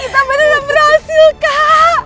kita beneran berhasil kak